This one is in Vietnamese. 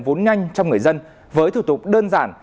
vốn nhanh trong người dân với thủ tục đơn giản